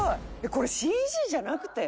これＣＧじゃなくて？